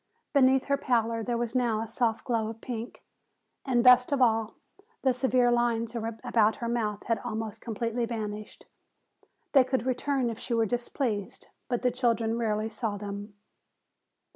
Beneath her pallor there was now a soft glow of pink, and best of all, the severe lines about her mouth had almost completely vanished. They could return if she were displeased, but the children rarely saw them.